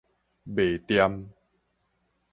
袂恬